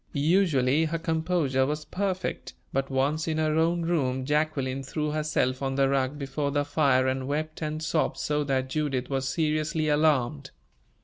Usually her composure was perfect, but once in her own room, Jacqueline threw herself on the rug before the fire and wept and sobbed so that Judith was seriously alarmed.